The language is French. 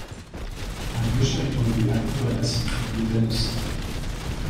Un clocher rectangulaire, court et massif, y est adossé.